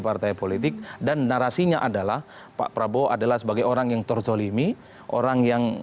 partai politik dan narasinya adalah pak prabowo adalah sebagai orang yang terzolimi orang yang